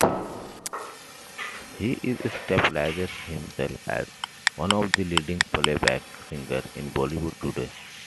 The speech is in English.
He has established himself as one of the leading playback singers in Bollywood today.